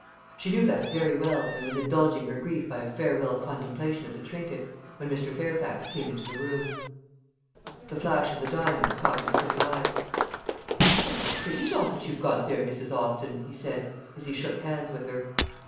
She knew that very well and was indulging her grief by a farewell contemplation of the trinket, when Mr. Fairfax came into the room. The flash of the diamonds caught his quick eye. "What a pretty locket you've got there, Mrs. Austin!" he said, as he shook hands with her.